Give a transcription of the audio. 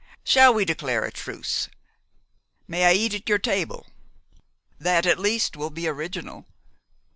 "Shall we declare a truce? May I eat at your table? That, at least, will be original.